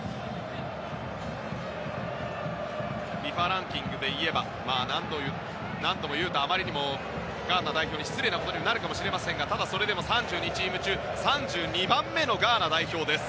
ＦＩＦＡランキングでいえば、何度も言うとあまりにもガーナ代表に失礼になるかもしれませんがただ、それでも３２チーム中３２番目のガーナ代表です。